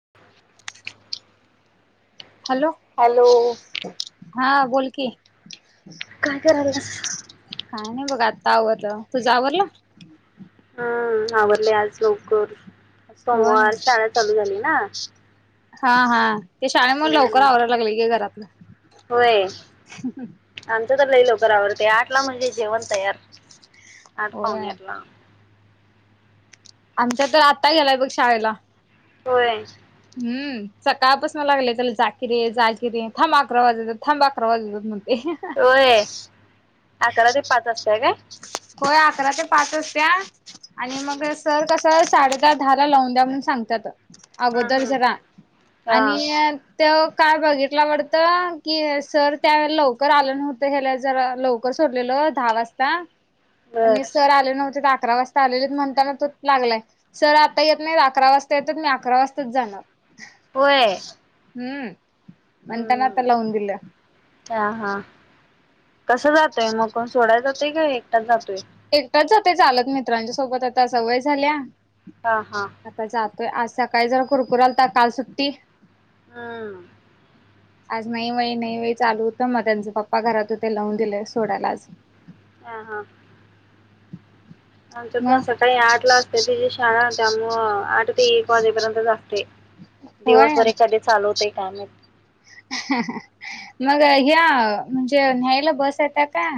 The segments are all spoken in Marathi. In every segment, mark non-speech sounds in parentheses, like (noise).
(unintelligible) हॅलो, हां बोल कि काय करायला? काय नाय बघ आता आवरलं. तुझं आवरलं? नावरले आज लवकर होय. सोमवार शाळा चालू झाली ना. हां हा ते शाळेमुळं लवकर हम्म आवरायला लागले की घरात. होय, आमचं तर लई लवकर आवरतेय आठला म्हणजे जेवण तयार. आठ होय. पावणेआठ ला. आमच्या त आता गेलाय बघ शाळेला. होय, हम् सकाळ पसन लागले त्याला जाकिरे जाकिरे थांब आकरा वाजुदेत थांब आकरा वाजुदेत म्हन ऐ हां हा. आकरा ते पाच असतंय काय? होय अकरा ते पाच अस्त्या आणि मग सर कस- साडेदहा दहा ला लावून द्या म्हणून सांगत्यात. हा आगोदर हा जरा हा आणि अ त्यो काय बघितला वडत की सर त्यावेळेला लवकर आलं नव्हतं ह्येला जरा लव क सोडलेल दहा वाजता बर आणि सर आले नव्हते दा क्रा वाजता आलेली म्हणताना तोच लागलाय सर आता येत नाही अकरा वाजता येता त मी अकरा वाजताच जाणार. होय. हम्म मनताना आता हम्म लाऊन दिल. हा हा कसं जातोय मग कोण सोडाय जातय का एकटाच जातोय? एकटाच जातय चालत मित्रांच्या सोबत आता सवय झाल्या हा हा आता जात य आज सकाळी जरा कुरकुरालता काल सुट्टी हम. आज नाई वय नाई वय चालू होतं. मग त्यांच पप्पा घरात होते लावून दिले सोडायला आज. हां हा. आमच्याते पण मग सकाळी आठला असते तिची शाळा त्यामुळं आठ ते एक वाजेपर्यंतच आसते. दिवसभर एकाधी चालवतय काम. आहांहा मग हया म्हणजे न्यायला बस येत्याता?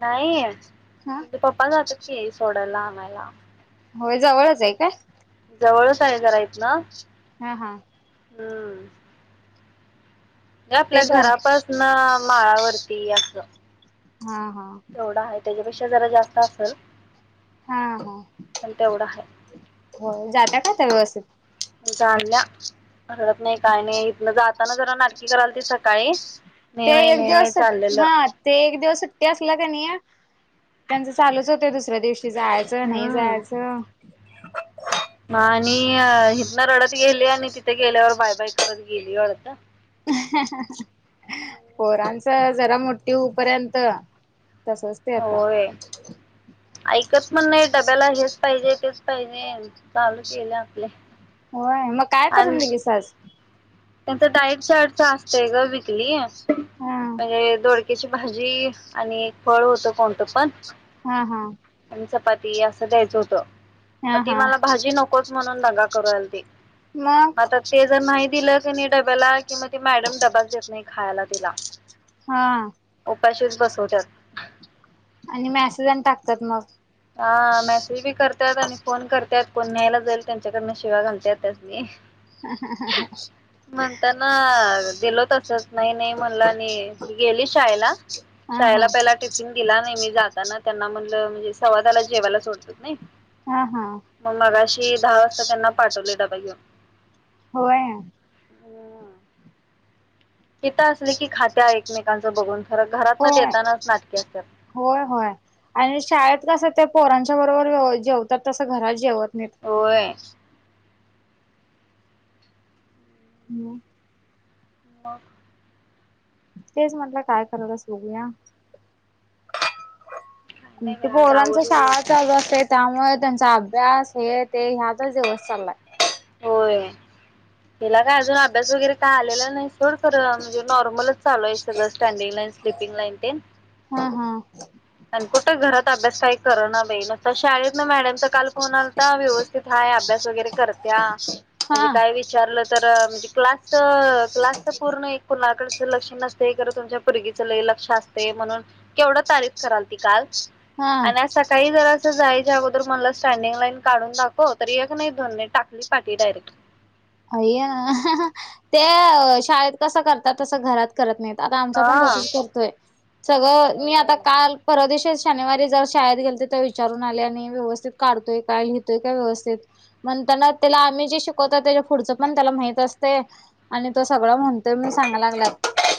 नाही तुझे पप्पा जातात की सोडायला आणयला. होय जवळच आहे काय? जवळच आहे जरा हितन, हा हा. हम्म. ते आपल्या बर घरापासन माळावरती असं. हा हा तेवढं आहे त्याच्यापेक्षा जरा जास्त असल हा हा पन तेवढं हाय. हो जाता काय व्यवस्थित जाणल्या हळत नाही काय नाही इथन जाताना जरा नाटकी कराल ती सकाळी ते नेवाई एक नेवाई दिवसट चाललेलं हा ते एक दिवस सुट्टे असलं का नाही त्यांचं चालूच होत दुसऱ्या दिवशी जायचं नाही जायचं. ह आणि हथ ना रडत गेली आणि तिथे गेल्यावर बाय बाय करत गेली हडत पोरांच जरा मोठी होऊपर्यंत तसच ते आता कत पण नाही डब्याला हेच पाहिजे तेच पाहिजे चालू केले आपले. होय मग काय करून दिली स आज? त्यांचा डाईट चार्टच असतय ग विकली हा म्हणजे दोड याची भाजी आणि फळ होतं कोणतं पण. हा हा. आणि चपाती असं द्यायचं होतं. हा मग ती हा. मला भाजी नकोच म्हणून दगा करूल त मग आता ते जर नाहि दिलं डब्याला किंवा त मॅडम डबाच देत नाही खायला तिला. हा उपाशीच बसवत्यात. आणि मॅसेज आणि टाकतात मग हा मेसेज बी करत्यात आणि फोन करत्यात. कोण न्हायला जाईल त्यांच्याकडनं शिव्या घालत्या त्यास नी. हम् हम हम ह. म्हणताना दिलो तसच नाही नाही म्हणलं आणि ही गेली शाळेला हा हा शाळेला पहिला टिफिन दिला नाही मी जाताना त्यांना म्हण सवाला जेवायला सोडत नाही हा हा. मग मगशी दहा वाजता त्यां चालोय डबा घेऊन. होय. हो. तिथं असली की खात्या एकमेकांचं बघून खरं घरात हो न देतानाच नाटकी असत्यात. होय होय आणि शाळेत कस ते पोरांच्या बरोबर जेवतात तसं घरात जेवत नाहीत. होय. हम. मग तेच म्हटलं काय करालास बघूया. काय नाही बाई आज पोरांचं आवरलं शाळा लवकर चालू असतय त्यामुळे त्यांचा अभ्यास हे ते ह्यातच दिवस चाललाय. होय. तिला काय अजून अभ्यास वगैरे काय आलेला नाही सोड खर म्हणजे नॉर्मलच चालू आहे सगळं स्टँडिंग स्लीपिंग लाइन तेन हां आणि कुठं घरात अभ्यास काही करना बाई नसता शाळेत ना मॅडम सकाल फोन आलता व्यवस्थित हाय अभ्यास वगैरे करत्या म्हणजे हा काय विचारलं तर म्हणजे क्लासचं क्लासचं पूर्ण एक कुणाकड तिचं लक्ष नसतंय खरं तुमच्या पुर्गीच लय लक्ष असतंय म्हणून केवढं तारीफ कराल ती काल. हा आणि आज सकाळी जरा असं जाय च्या अगोदर म्हणलं स्टँडिंग लाईन काढून दाखव तर एक नै दोन नै टाकली पाटी डायरेक्ट. अय्या ते शाळेत कसं करतात तसं घरात करत नाहीत. आता आमचा पण हा तसंच करतोय. सगळं मी आता हम्म काल परवादिशी शनिवारी जवा शाळेत गेलते, तर विचारून आले. आणि व्यवस्थित काढतोय का, लिहतोय का, व्यवस्थित पन त्यानं, त्याला आम्ही जे शिकवता त्याज्य पुढचं पण त्याला माहित असतंय. आणि तो सगळं म्हणतोय मी सांगा लागल्या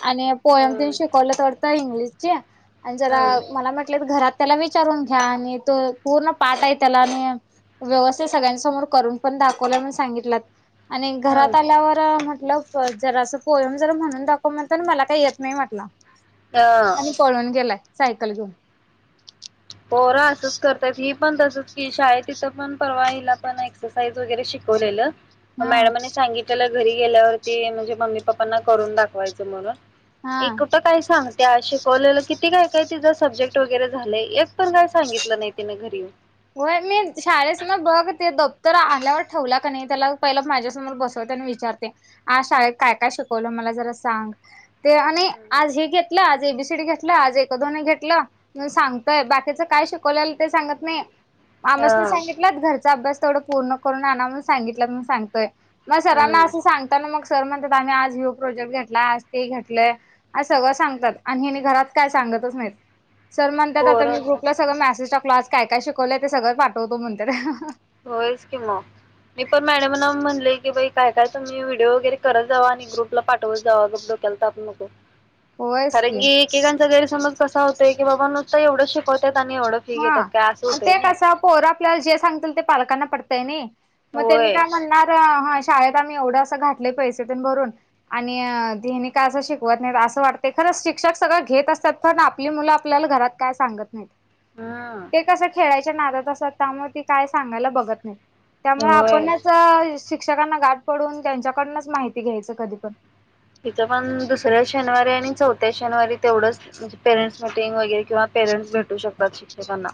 आणि पोयम तेनं, शिकवलंत वाटतं इंग्लिशची. आणि हम्म जरा मला म्हटलेत घरात त्याला विचारून घ्या. आणि तो पूर्ण पाठय त्याला आणि व्यवस्थित सगळ्यांसमोर, करून पण दाखवल्या मण सांगितलात आणि हं, घरात आल्यावर म्हटलं जरासं, पोयम जरा म्हणून दाखव म्हनताना. मला काही येत नाही म्हटला. अ आणि पळून गेलाय, सायकल घेऊन. पोरं, असंच करतायत ही पण तसंच की, शाळेत तिथं पण परवा हिला पण, एक्सरसाईज वगैरे शिकवलेलं. हा मॅडमांनी सांगितलेलं, घरी गेल्यावरती म्हणजे मम्मी- पप्पांना करून दाखवायचं म्हणून. ही हा कुठं काय सांगत्या? शिकवलेलं किती काय- काय तिजं सब्जेक्ट वगैरे झालय. एक पण काय सांगितलं नाही तिने घरी येऊन. (inaudible) होय, मी शाळेस्न बघ ते द तर आल्यावर ठेवला का नै त्याला, पहिला माझ्यासमोर बसवते. अन विचारते, आज शाळेत काय- काय शिकवलं म ला जरा सांग. ते आणि आज हे घेतलं, आज एबीसीडी घेतलं, आज एक-दोन घेतलं म् सांगतोय बाकीचं काय शिकवल्यालं ते सांगत नाही. आमास्नी हा सांगितलंत घरचा अभ्यास तेवढं पूर्ण करून आणा म्हून सांगितल्यात, म्हणून सांगतोय. मग सरांना हम्म असं सांगताना म सर म्हणत्यात, आम्ही आज ह्यो प्रोजेक्ट घेतला आज ते घेतलंय, असं सगळं सांगतात. आणि हेनं घरात काय सांग (unintelligible) माहीत. सर म्हणत्यात आता पोरं मी ग्रुप असच म्यासेज टाकलो. आज काय काय शिकवलंय ते सगळंच पाठवतो म्हणत्यात. (unintelligible) होयच की मग. मी पण मॅडमांना म्हणले की बाई काय, काय तुम्ही व्हिडिओ वगैरे करत जावा. आणि ग्रुपला पाठवत जावा. उगच डोक्याला ताप नको. कारण की, एकेकांचा गैरसमज कसा होतंय की, बाबा नुसता एवढंच शिकवत हा. अन ते कसं, पोरं आपल्याला जे सांगतील ते पालकांना पटतंय नि, म त्यांनी होय काय म्हणनार अ हा शाळेत आम्ही एवढं अस घातलं पैसे पण भरून, आणि हेनी काय असं शिकवत नाही. असं वाटतंय का? शिक्षक सगळं घेत असतात. पण आपली मुलं आपल्याला, घरात काय सांगत नाहीत. ते हम्म कसं, खेळायच्या नादात असतात. त्यामुळे ती काय सांगायला बघत नाही. त्यामुळं होय. आपणच, शिक्षकांना गाठ पडून, त्यांच्याकडनंच माहिती घ्यायचं कधी पण. तिथं पण, दुसऱ्या शनवारी आणि चौथ्या शनवारी तेवढंच, म्हणजे पेरेंट्स मिटिंग वगैरे किंवा पेरेंटस भेटू शकतात शिक्षकांना,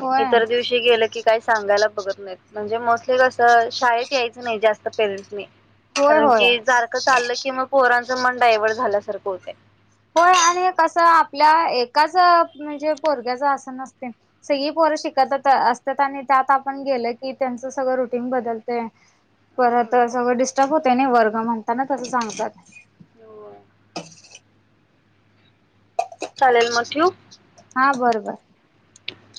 होय इतर दिवशी गेलं की, काही सांगायला बघत नाहीत. म्हणजे मोस्टली कसं, शाळेत यायचं नाही जास्त पेरेंट्सनी. होय कारण होय. की, सारखं चाललं की मग, पोरांचं मन डायवर्ट झाल्यासारखं होतंय. होय आणि हे कसं, आपल्या एकाच म्हणजे पोरग्याचं असं नसतंय. सगळी पो रं शिकतच आ असत्यात. आणि त्यात आपण गेल की, त्यांच सगळं रुटीन बदलतंय. परत सगळं डिस्टर्ब होत न वर्ग. म्हणता ना तसं सांगतात. हो. चालेल, मग ठेऊ. हा बरं बरं.